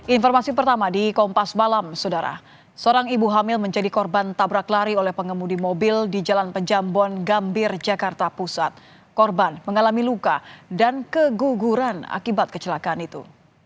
informasi pertama di kompas balam sudara seorang ibu hamil menjadi korban tabrak lari oleh pengemudi mobil di jalan pejambon gambir jakarta pusat korban mengalami luka dan keguguran akibat kecelakaan itu